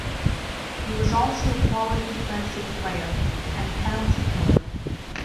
He also was a quality defensive player and penalty killer.